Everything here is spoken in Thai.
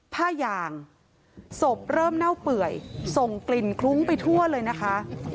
ผ้ายางศพเริ่มเน่าเปื่อยส่งกลิ่นคลุ้งไปทั่วเลยนะคะ